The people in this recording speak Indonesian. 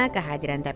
kehadiran rangga mekar